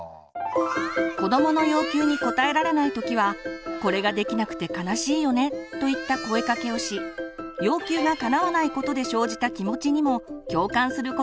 子どもの要求に応えられない時は「これができなくて悲しいよね」といった声かけをし要求がかなわないことで生じた気持ちにも共感することが大事です。